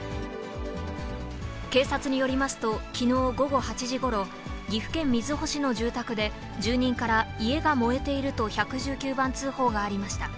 警察によりますと、きのう午後８時ごろ、岐阜県瑞穂市の住宅で、住人から家が燃えていると１１９番通報がありました。